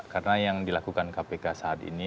karena yang dilakukan kpk saat ini